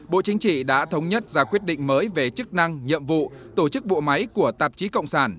bộ chính trị đã thống nhất ra quyết định mới về chức năng nhiệm vụ tổ chức bộ máy của tạp chí cộng sản